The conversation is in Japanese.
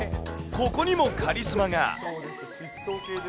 ここにもカリスマが。